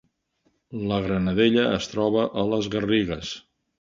La Granadella es troba a les Garrigues